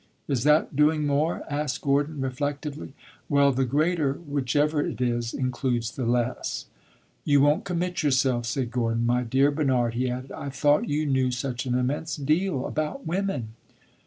"Is that doing more?" asked Gordon, reflectively. "Well, the greater, whichever it is, includes the less." "You won't commit yourself," said Gordon. "My dear Bernard," he added, "I thought you knew such an immense deal about women!"